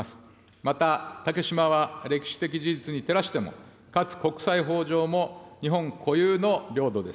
また竹島は歴史的事実に照らしても、かつ国際法上も日本固有の領土です。